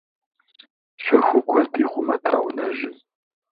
Щэху куэд ихъумэт а унэжьым.